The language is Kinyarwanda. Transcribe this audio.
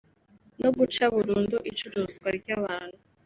no guca burundu icuruzwa ry’abantu